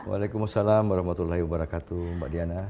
waalaikumsalam warahmatullahi wabarakatuh mbak diana